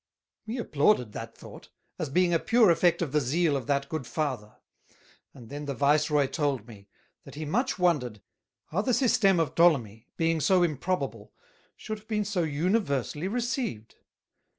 '" We applauded that Thought, as being a pure effect of the Zeal of that good Father: And then the Vice Roy told me, That he much wondered, how the Systeme of Ptolemy, being so improbable, should have been so universally received.